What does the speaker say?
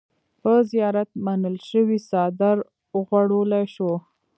په زيارت منلے شوے څادر اوغوړولے شو۔